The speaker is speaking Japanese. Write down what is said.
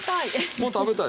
もう食べたい。